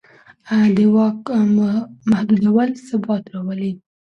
د واک محدودول ثبات راولي